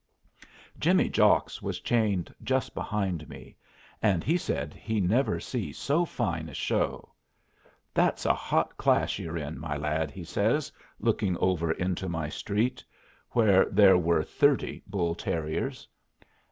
Jimmy Jocks was chained just behind me, and he said he never see so fine a show. "That's a hot class you're in, my lad," he says, looking over into my street, where there were thirty bull terriers.